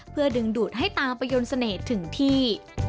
เพื่อดึงดูดให้ตามไปยนต์เสน่ห์ถึงที่